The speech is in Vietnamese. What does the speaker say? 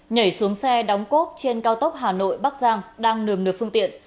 nhảy xuống xe đóng cốp trên cao tốc hà nội bắc giang đang nườm nược phương tiện